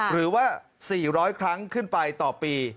หรือว่า๔๐๐ครั้งขึ้นไปต่อปี